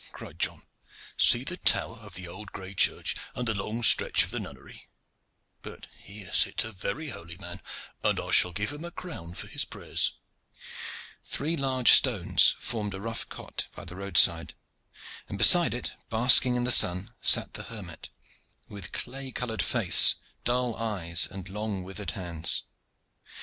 cried John. "See the tower of the old gray church, and the long stretch of the nunnery. But here sits a very holy man, and I shall give him a crown for his prayers." Three large stones formed a rough cot by the roadside, and beside it, basking in the sun, sat the hermit, with clay colored face, dull eyes, and long withered hands.